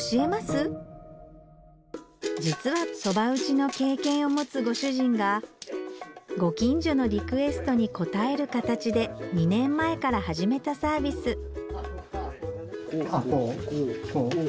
実は蕎麦打ちの経験を持つご主人がご近所のリクエストに応える形で２年前から始めたサービスこうこう。